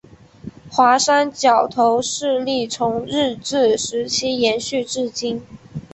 华山角头势力从日治时期延续至今。